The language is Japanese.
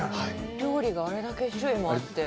料理があれだけ種類もあって。